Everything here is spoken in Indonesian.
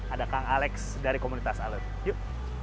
ada kang alex dari komunitas alert yuk